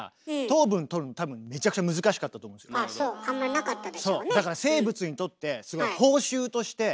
そうあんまりなかったでしょうね。